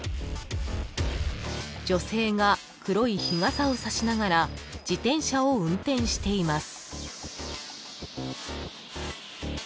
［女性が黒い日傘を差しながら自転車を運転しています］